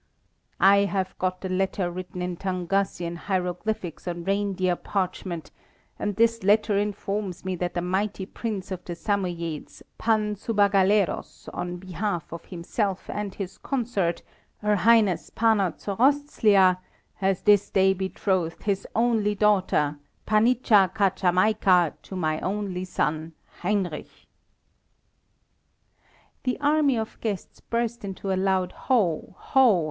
I have got the letter written in Tungusian hieroglyphics on reindeer parchment, and this letter informs me that the mighty Prince of the Samoyeds, Pan Subagalleros, on behalf of himself and his consort, her Highness Pana Csoroszlya, has this day betrothed his only daughter, Panicza Kaczamajka, to my only son Heinrich." The army of guests burst into a loud ho, ho!